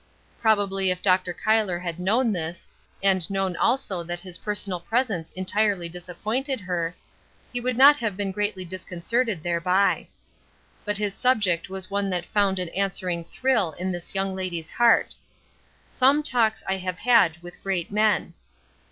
Probably if Dr. Cuyler had known this, and known also that his personal presence entirely disappointed her, he would not have been greatly disconcerted thereby. But his subject was one that found an answering thrill in this young lady's heart "Some Talks I Have Had With Great Men."